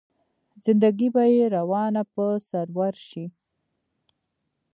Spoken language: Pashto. زنده ګي به يې روانه په سرور شي